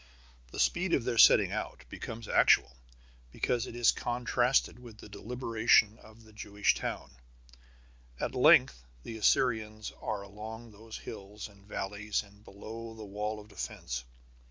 The speed of their setting out becomes actual, because it is contrasted with the deliberation of the Jewish town. At length the Assyrians are along those hills and valleys and below the wall of defence.